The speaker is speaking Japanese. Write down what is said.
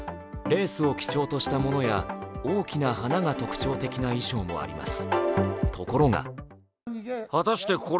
レースを基調としたものや大きな花が特徴的な衣装もあります。